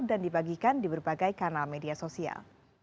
dan dibagikan di berbagai kanal media sosial